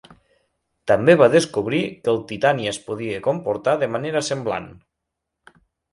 També va descobrir que el titani es podia comportar de manera semblant.